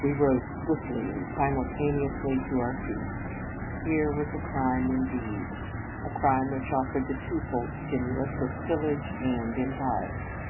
We rose swiftly and simultaneously to our feet. Here was a crime, in deed; a crime which offered the two fold stimulus of pillage and impiety.